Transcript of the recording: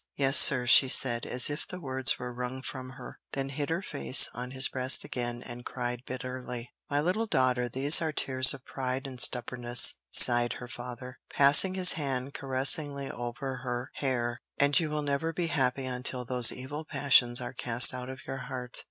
"Yes, sir," she said, as if the words were wrung from her, then hid her face on his breast again and cried bitterly. "My little daughter, these are tears of pride and stubbornness," sighed her father, passing his hand caressingly over her hair, "and you will never be happy until those evil passions are cast out of your heart.